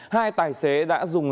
hai tài xế đã dùng